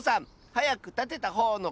はやくたてたほうのかちだよ！